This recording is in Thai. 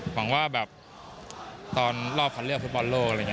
หวังว่าตอนรอบขัดเลือกฟุตบอลโลก